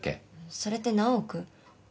それって何億？